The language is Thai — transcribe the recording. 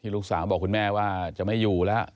ลูกสาวบอกคุณแม่ว่าจะไม่อยู่แล้ว